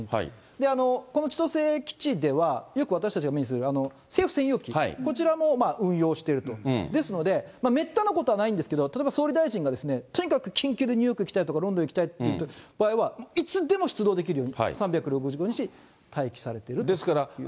この千歳基地では、よく私たちが目にする、あの政府専用機、こちらも運用していると、ですので、めったなことはないんですけれども、例えば総理大臣がとにかく緊急でニューヨーク行きたいとか、ロンドン行きたいといった場合は、いつでも出動できるように、ですから、